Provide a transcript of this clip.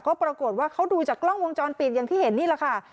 ก็ปรากฏว่าเขาดูจากกล้องวงจรปิดอย่างที่เห็นนี่แหละค่ะ